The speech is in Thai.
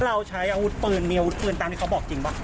เราใช้อาวุธปืนมีอาวุธปืนตามที่เขาบอกจริงป่ะ